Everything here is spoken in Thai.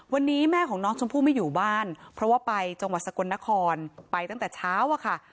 วันนี้แม่ของน้องชมพู่ไม่อยู่บ้านเพราะว่าไปจังหวัดสกลนครไปตั้งแต่เช้าอะค่ะ